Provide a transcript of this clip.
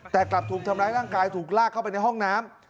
แต่กลับถูกทำร้ายร่างกายถูกลากเข้าไปในห้องน้ำ